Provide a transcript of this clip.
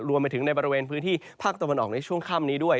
รวมไปถึงในบริเวณพื้นที่ภาคตะวันออกในช่วงค่ำนี้ด้วย